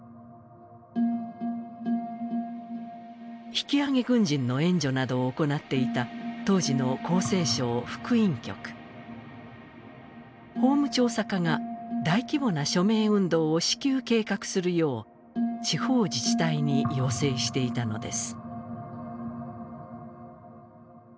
引き揚げ軍人の援助などを行っていた当時の厚生省復員局法務調査課が大規模な署名運動を至急計画するよう地方自治体に要請していたのです。